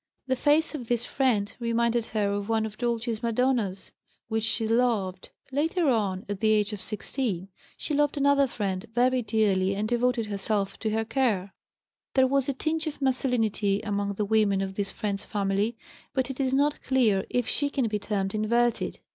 The face of this friend reminded her of one of Dolce's Madonnas which she loved. Later on, at the age of 16, she loved another friend very dearly and devoted herself to her care. There was a tinge of masculinity among the women of this friend's family, but it is not clear if she can be termed inverted.